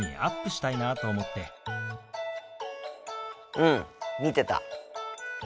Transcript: うん見てた。